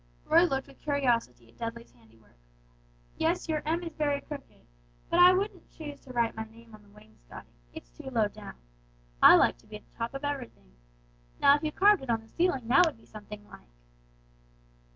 Roy looked with curiosity at Dudley's handiwork. "Yes, your M is very crooked; but I wouldn't choose to write my name on the wainscoting. It's too low down. I like to be at the top of everything. Now if you carved it on the ceiling that would be something like!"